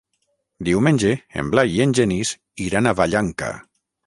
Diumenge en Blai i en Genís iran a Vallanca.